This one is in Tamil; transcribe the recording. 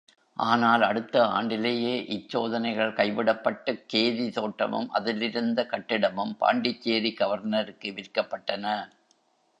ஆனால் அடுத்த ஆண்டிலேயே இச் சோதனைகள் கைவிடப்பட்டுக் கேதி தோட்டமும் அதிலிருந்த கட்டிடமும் பாண்டிச்சேரி கவர்னருக்கு விற்கப்பட்டன.